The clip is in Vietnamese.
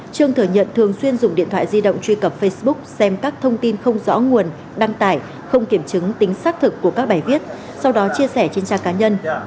trương thừa nhận thường xuyên dùng điện thoại di động truy cập facebook xem các thông tin không rõ nguồn đăng tải không kiểm chứng tính xác thực của các bài viết sau đó chia sẻ trên trang cá nhân